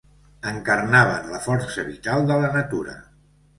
Encarnaven la força vital de la natura.